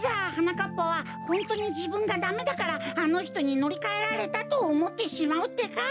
かっぱはホントにじぶんがダメだからあのひとにのりかえられたとおもってしまうってか。